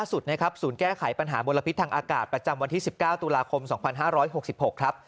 ส่วนแก้ไขปัญหามลพิษทางอากาศประจำวันที่๑๙ตุลาคม๒๕๖๖ครับ